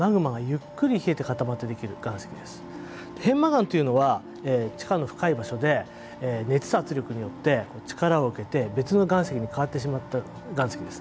片麻岩というのは地下の深い場所で熱や圧力によって力を受けて別の岩石に変わってしまった岩石ですね。